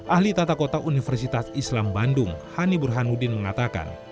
ahli tata kota universitas islam bandung hani burhanuddin mengatakan